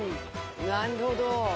なるほど。